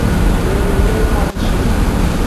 Enulengoci.